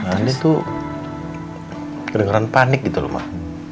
andin tuh keren keren panik gitu lu mak